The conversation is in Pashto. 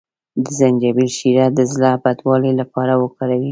د زنجبیل شیره د زړه بدوالي لپاره وکاروئ